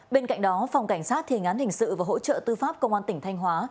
bên cạnh đó phòng cảnh sát thiên án hình sự và hỗ trợ tư pháp công an tỉnh thanh hóa